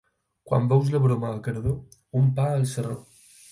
Quan veus la broma a Cardó, un pa al sarró.